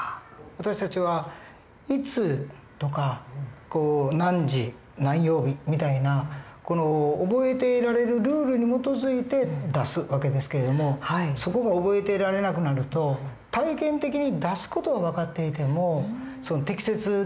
私たちはいつとか何時何曜日みたいな覚えていられるルールに基づいて出す訳ですけれどもそこが覚えていられなくなると体験的に出す事は分かっていても適切でなかったりする訳ですね。